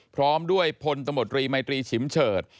พร้อมด้วยพลตรีไมตรีชิมเฉิด